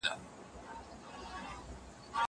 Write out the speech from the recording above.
وخت ونیسه!!